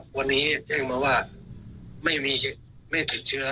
วันนี้แจ้งมาว่าไม่มีไม่ถึงเชื้อ